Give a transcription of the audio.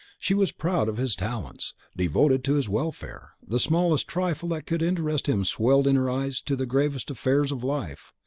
She was proud of his talents, devoted to his welfare; the smallest trifle that could interest him swelled in her eyes to the gravest affairs of life.